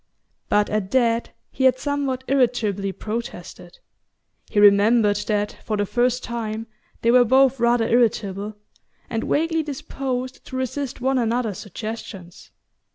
But at that he had somewhat irritably protested: he remembered that, for the first time, they were both rather irritable, and vaguely disposed to resist one another's suggestions.